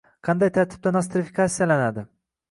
qanday tartibda nostrifikatsiyalanadi?